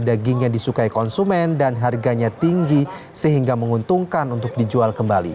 dagingnya disukai konsumen dan harganya tinggi sehingga menguntungkan untuk dijual kembali